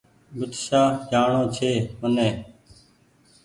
ڀيٽ شاه جآڻو ڇي مني ۔